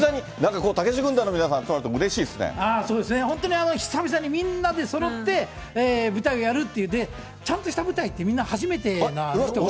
たけし軍団の皆さん、そうですね、本当に久々にみんなでそろって舞台をやるって言うんで、ちゃんとした舞台って、みんな初めてな。